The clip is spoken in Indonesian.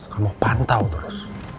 kamu pantau terus